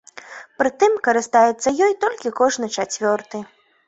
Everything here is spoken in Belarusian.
Пры тым карыстаецца ёй толькі кожны чацвёрты.